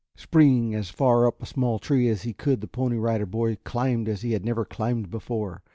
Springing as far up a small tree as he could the Pony Rider Boy climbed as he had never climbed before.